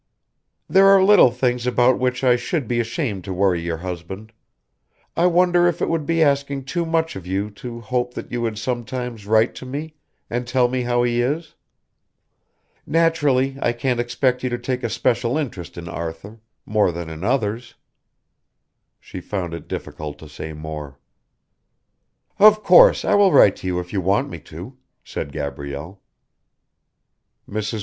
"There are little things about which I should be ashamed to worry your husband. I wonder if it would be asking too much of you to hope that you would sometimes write to me, and tell me how he is? Naturally I can't expect you to take a special interest in Arthur, more than in others " She found it difficult to say more. "Of course I will write to you if you want me to," said Gabrielle. Mrs.